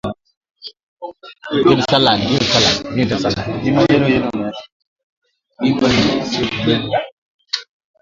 Kuiba sio kubeba na kubeba sio kuiba